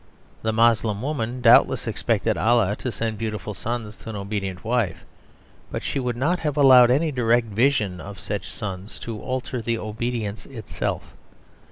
The Moslem woman doubtless expected Allah to send beautiful sons to an obedient wife; but she would not have allowed any direct vision of such sons to alter the obedience itself.